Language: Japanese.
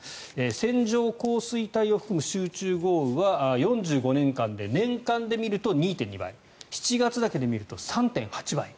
線状降水帯を含む集中豪雨は４５年間で年間で見ると２．２倍７月だけで見ると３．８倍。